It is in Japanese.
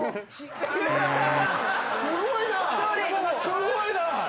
すごいな。